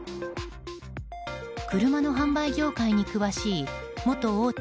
車の販売業界に詳しい元大手